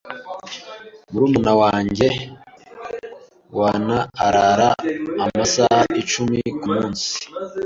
Murumuna wanjye wana arara amasaha icumi kumunsi.